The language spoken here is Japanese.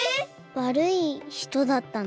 わるいひとだったの？